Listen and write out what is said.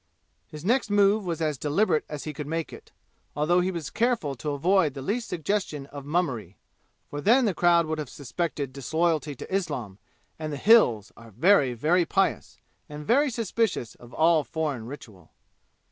His next move was as deliberate as he could make it, although he was careful to avoid the least suggestion of mummery (for then the crowd would have suspected disloyalty to Islam, and the "Hills" are very, very pious, and very suspicious of all foreign ritual).